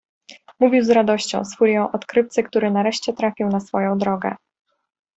Mówił z radością, z furią odkrywcy, który nareszcie trafił na swoją drogę.